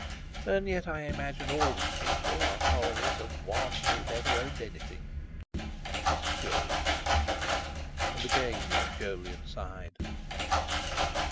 And yet I imagine all these people are followers of One who never owned anything. It is curious!" And again young Jolyon sighed.